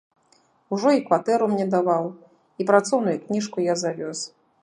Ужо і кватэру мне даваў, і працоўную кніжку я завёз.